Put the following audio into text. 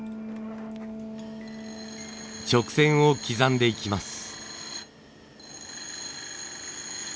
直線を刻んでいきます。